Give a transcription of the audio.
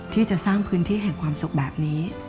ที่จะสร้างพื้นที่แห่งความสุขแบบนี้